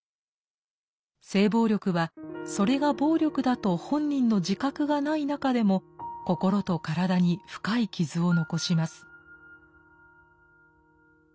性暴力はそれが暴力だと本人の自覚がない中でも心と体に深い傷を残します。